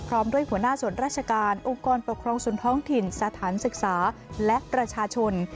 พร้อมด้วยหัวหน้าส่วนราชการองค์กรปกครองส่วนท้องถิ่นสถานศึกษาและประชาชน